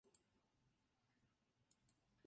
数码货币是电子货币形式的。